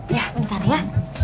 ya bentar ya